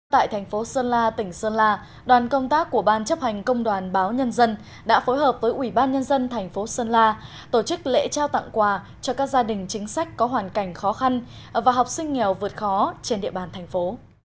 tại thành phố sơn la tỉnh sơn la đoàn công tác của ban chấp hành công đoàn báo nhân dân đã phối hợp với ủy ban nhân dân thành phố sơn la tổ chức lễ trao tặng quà cho các gia đình chính sách có hoàn cảnh khó khăn và học sinh nghèo vượt khó trên địa bàn thành phố